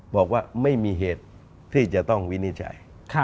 บอกว่าไม่มีเหตุที่จะต้องวินิจฉัย